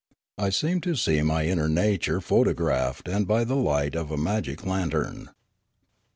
I seemed to see my inner nature photographed and by the light of a magic lantern.